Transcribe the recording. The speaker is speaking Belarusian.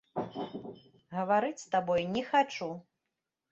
Гаварыць з табой не хачу!